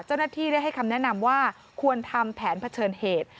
เจ้าหน้าที่ได้ให้คำแนะนำว่าควรทำแผนเผชิญเหตุ